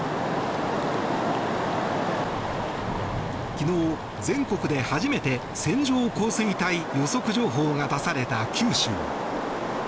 昨日、全国で初めて線状降水帯予測情報が出された九州。